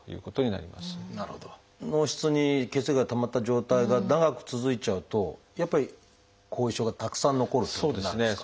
脳室に血液がたまった状態が長く続いちゃうとやっぱり後遺症がたくさん残るということになるんですか？